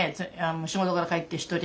仕事から帰って独り。